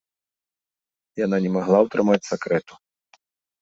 Яна не магла ўтрымаць сакрэту.